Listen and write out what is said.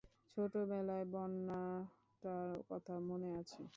ছোট বেলায় বন্যাটার কথা মনে আছে?